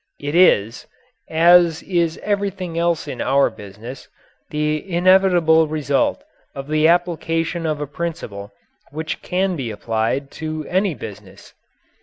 It is, as is everything else in our business, the inevitable result of the application of a principle which can be applied to any business.